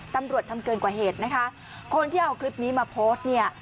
ตำรวจทำเกินกว่าเหตุนะคะคนที่เอาคลิปนี้มาโพสต์เนี่ย